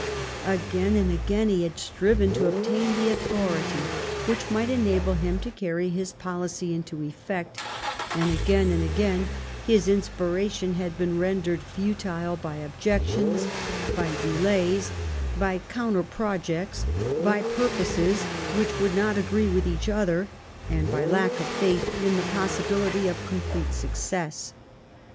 Again and again he had striven to obtain the authority which might enable him to carry his policy into effect, and again and again his inspiration had been rendered futile by objections, by delays, by counter projects, by purposes which would not agree with each other, and by lack of faith in the possibility of complete success.